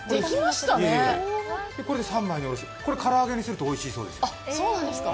これで三枚におろせてこれ、唐揚げにするとおいしいそうですよ。